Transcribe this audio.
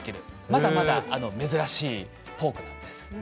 まだまだ珍しい豚なんです。